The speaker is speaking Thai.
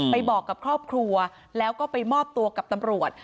บอกกับครอบครัวแล้วก็ไปมอบตัวกับตำรวจ